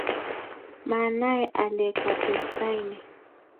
Maanai ale katestai ne.